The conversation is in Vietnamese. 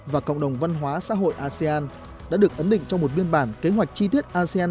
và cộng đồng văn hóa xã hội asean đã được ấn định trong một biên bản kế hoạch chi tiết asean